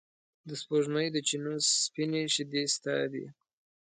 د سپوږمۍ د چېنو سپینې شیدې ستا دي